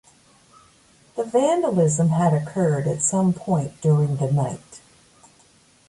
The vandalism had occurred at some point during the night.